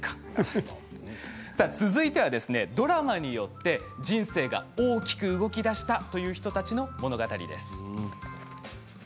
続いてはドラマによって人生が大きく動きだしたという人たちの物語です。